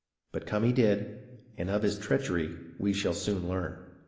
But come he did, and of his treachery we shall soon learn.